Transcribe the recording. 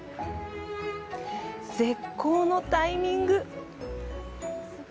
絶好のタイミング！